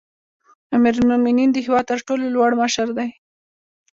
امیرالمؤمنین د هیواد تر ټولو لوړ مشر دی